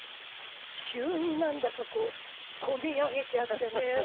急になんだかこう込み上げちゃってね。